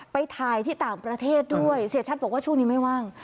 ไปถ่ายที่ต่างประเทศด้วยเสียชัดบอกว่าช่วงนี้ไม่ว่าง